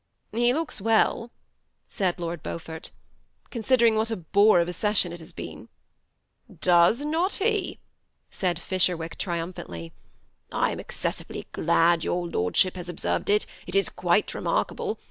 ^ He looks well," said Lord Beaufort, " considering what a bore of a session it has been," ^^ Does not he ?" said Fisherwick, triumphantly. ^' I am excessively glad your lordship has observed it ; it is quite remarkable.